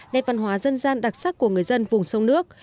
nét văn hóa dân gian đặc sắc của người dân vùng sông nước